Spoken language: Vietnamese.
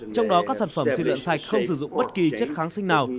trong đó các sản phẩm thiên lượng sạch không sử dụng bất kỳ chất kháng sinh nào